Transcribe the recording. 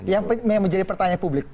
yang menjadi pertanyaan publik